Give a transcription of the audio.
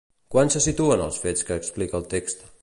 Quan se situen els fets que explica el text?